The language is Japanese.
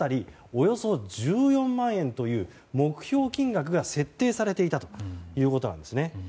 およそ１４万円という目標金額が設定されていたということなんですね。